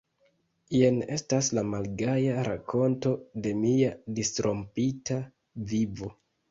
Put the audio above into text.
Jen estas la malgaja rakonto de mia disrompita vivo.